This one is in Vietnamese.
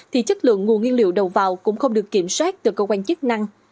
thì chất lượng nguồn nguyên liệu đầu vào cũng không được kiểm soát từ cơ quan chức năng